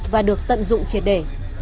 và được tận dụng triệt để